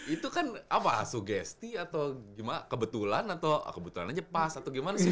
itu kan apa sugesti atau gimana kebetulan atau kebetulan aja pas atau gimana sih